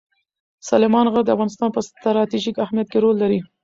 سلیمان غر د افغانستان په ستراتیژیک اهمیت کې رول لري.